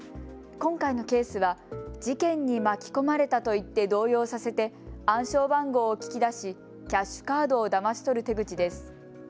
今回のケースは事件に巻き込まれたと言って動揺させて暗証番号を聞き出しキャッシュカードをだまし取る手口です。